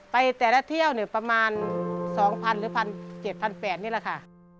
ไปแต่ละเที่ยวเนี่ยประมาณ๒๐๐๐หรือ๑๗๘๐๐นี่แหละค่ะ